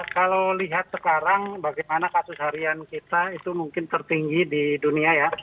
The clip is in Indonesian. kalau lihat sekarang bagaimana kasus harian kita itu mungkin tertinggi di dunia ya